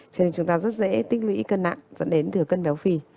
cho nên chúng ta rất dễ tích lũy cân nặng dẫn đến thừa cân béo phì